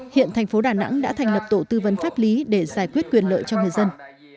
hiện thành phố đà nẵng đã thành lập tổ tư vấn pháp lý để giải quyết quyền lợi cho người dân